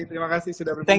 terima kasih sudah berbincang